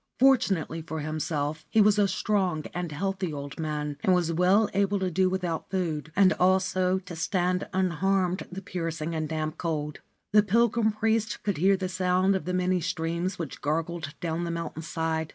Fortunately for himself, he was a strong and healthy old man and was well able to do without food, and also to stand unharmed the piercing and damp cold. The pilgrim priest could hear the sound of the many streams which gurgled down the mountain side.